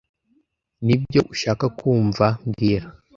Nibyo ushaka kumva mbwira